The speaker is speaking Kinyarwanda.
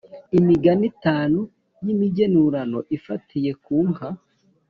imigani itanu y’imigenurano ifatiye ku nka.